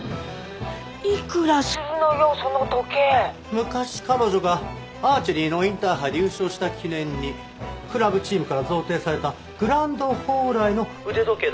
昔彼女がアーチェリーのインターハイで優勝した記念にクラブチームから贈呈されたグランドホーライの腕時計だそうです。